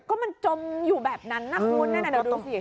ก็มันจมอยู่แบบนั้นนะคุณแน่นอนดูสิ